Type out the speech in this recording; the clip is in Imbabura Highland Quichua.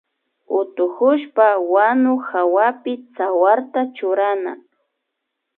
Utukushpa wanu hawapi tsawarta churana